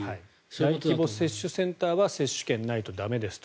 大規模接種センターは接種券がないと駄目だと。